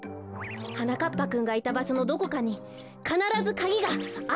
はなかっぱくんがいたばしょのどこかにかならずカギがあるはずですから！